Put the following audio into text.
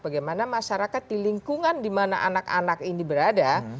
bagaimana masyarakat di lingkungan dimana anak anak ini berada